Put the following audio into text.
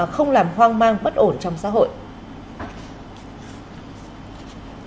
không làm hoang mang bất ổn trong xã hội